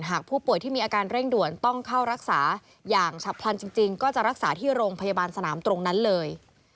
หากผู้ป่วยที่มีอาการเร่งด่วนต้องเข้ารักษาอย่างฉับพลันจริงก็จะรักษาที่โรงพยาบาลสนามตรงนั้นเลย